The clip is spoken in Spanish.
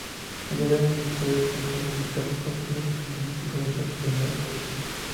El diafragma se puede encontrar debilitado por diversas disfunciones fisiológicas, enfermedades o lesiones.